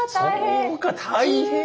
そうか大変。